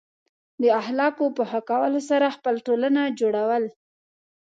د اخلاقو په ښه کولو سره خپل ټولنه جوړول.